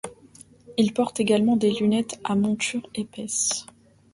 Il porte également des lunettes à monture épaisse.